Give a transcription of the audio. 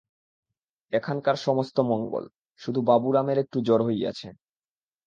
এখানকার সমস্ত মঙ্গল, শুধু বাবুরামের একটু জ্বর হইয়াছে।